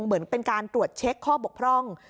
เหมือนเป็นการตรวจเช็คข้อบกพร่อง